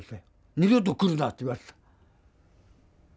「二度と来るな」って言われた。